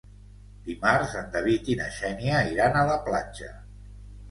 Dimarts en David i na Xènia iran a la platja.